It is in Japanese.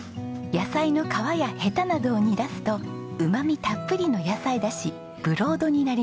野菜の皮やヘタなどを煮出すとうまみたっぷりの野菜だしブロードになります。